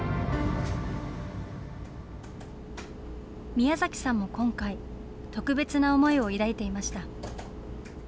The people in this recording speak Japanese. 宮崎さんも今回、特別な思いを抱いていました。